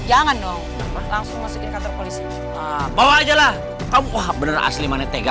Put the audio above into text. jangan dong langsung masukin kantor polisi bawa aja lah kamu wah bener asli mana tega